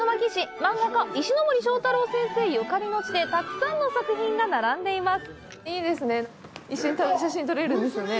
漫画家・石ノ森章太郎先生ゆかりの地でたくさんの作品が並んでいます。